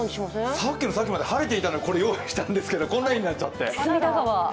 さっきのさっきまで晴れていたのでこれ用意したんですけどこんなになっちゃって。